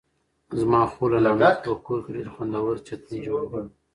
زما خور له نعناع څخه په کور کې ډېر خوندور چتني جوړوي.